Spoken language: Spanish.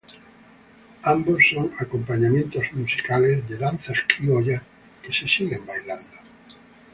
Ambos son acompañamientos musicales de danzas criollas, que se siguen bailando.